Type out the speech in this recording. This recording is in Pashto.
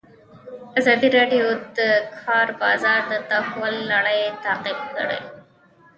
ازادي راډیو د د کار بازار د تحول لړۍ تعقیب کړې.